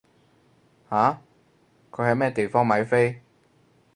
吓？佢喺咩地方買飛？